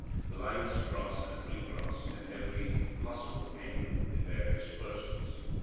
The lines cross and re cross at every possible angle in various persons.